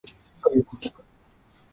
いいか、よく聞け。